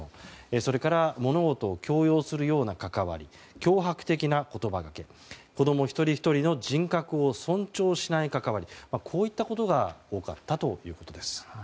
それから物事を強要するような関わり脅迫的な言葉がけ子供一人ひとりの人格を尊重しない関わりこういったことが多かったということです。